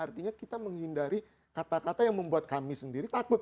artinya kita menghindari kata kata yang membuat kami sendiri takut